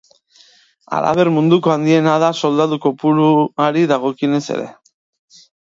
Halaber, Munduko handiena da soldadu kopuruari dagokionez ere.